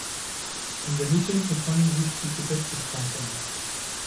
In der Mitte befanden sich die Gesetzestafeln.